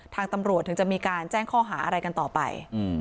ทางตำรวจถึงจะมีการแจ้งข้อหาอะไรกันต่อไป